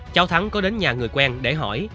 cháu thắng có đến nhà người quen để hỏi